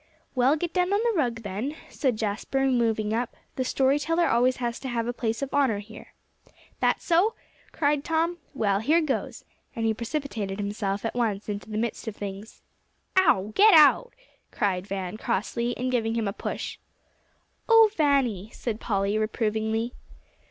"Well, get down on the rug, then," said Jasper, moving up; "the story teller always has to have a place of honor here." "That so?" cried Tom; "well, here goes," and he precipitated himself at once into the midst of things. "Ow! get out," cried Van crossly, and giving him a push. "Oh Vanny!" said Polly reprovingly.